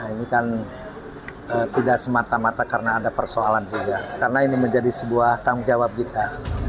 ini kan tidak semata mata karena ada persoalan juga karena ini menjadi sebuah tanggung jawab kita